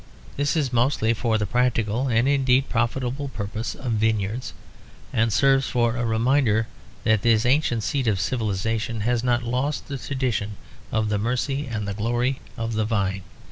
This is mostly for the practical and indeed profitable purpose of vineyards; and serves for a reminder that this ancient seat of civilisation has not lost the tradition of the mercy and the glory of the vine.